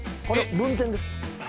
この分店です